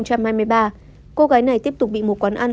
cô gái này tiếp tục bị một quán ăn